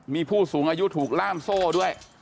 มีผู้สูงอายุถูกล่ามโซ่ด้วย